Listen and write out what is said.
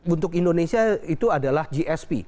untuk indonesia itu adalah gsp